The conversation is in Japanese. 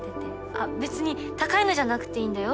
あっ別に高いのじゃなくていいんだよ。